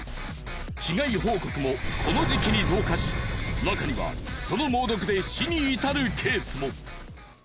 被害報告もこの時期に増加し中にはその猛毒で死に至るケースも。